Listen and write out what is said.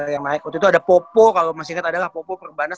yang naik waktu itu ada popo kalau masih ingat adalah popo perbanas